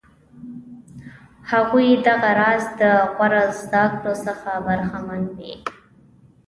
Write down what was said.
هغوی دغه راز د غوره زده کړو څخه برخمن وي.